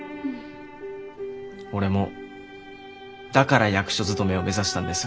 俺もだから役所勤めを目指したんです。